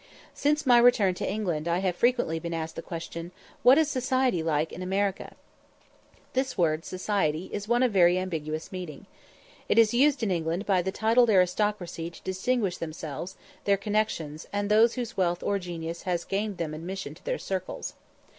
Since my return to England I have frequently been asked the question, "What is society like in America?" This word society is one of very ambiguous meaning. It is used in England by the titled aristocracy to distinguish themselves, their connexions, and those whose wealth or genius has gained them admission into their circles.